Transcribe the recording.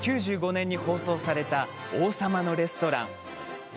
１９９５年に放送された「王様のレストラン」。